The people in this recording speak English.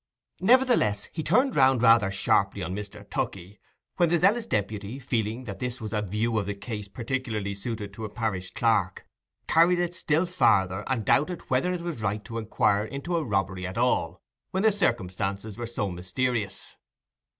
Nevertheless, he turned round rather sharply on Mr. Tookey, when the zealous deputy, feeling that this was a view of the case peculiarly suited to a parish clerk, carried it still farther, and doubted whether it was right to inquire into a robbery at all when the circumstances were so mysterious.